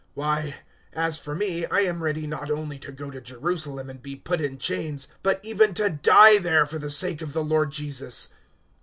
Why, as for me, I am ready not only to go to Jerusalem and be put in chains, but even to die there for the sake of the Lord Jesus."